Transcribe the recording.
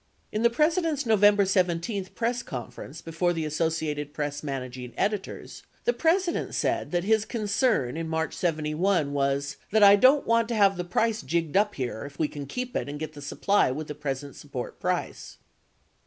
In the President's November 17 press conference before the Asso ciated Press managing editors, the President said that his concern, in March 1971 was that "I don't want to have the price jigged up here if we can keep it and get the supply with the present support price."